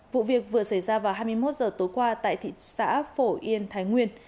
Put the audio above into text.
vụ việc vừa xảy ra vào hai mươi một h tối qua tại thị xã phổ yên thái nguyên